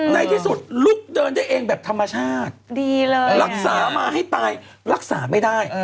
ในที่สุดลุกเดินได้เองแบบธรรมชาติดีเลยรักษามาให้ตายรักษาไม่ได้